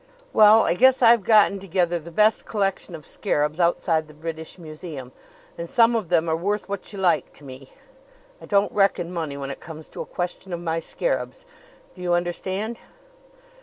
"Well, I guess I've gotten together the best collection of scarabs outside the British Museum, and some of them are worth what you like to me. I don't reckon money when it comes to a question of my scarabs. Do you understand?"